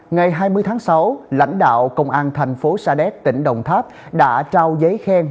ngày hai mươi tháng sáu lãnh đạo công an thành phố sa đéc tỉnh đồng tháp đã trao giấy khen